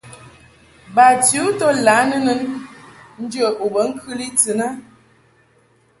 Bati u to lǎ nɨnɨn njə u be ŋkɨli tɨn a.